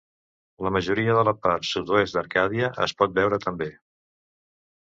La majoria de la part sud-oest d'Arcàdia es pot veure també.